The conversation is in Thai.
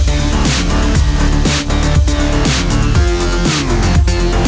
เออให้ตาหนูด้วยนะคะ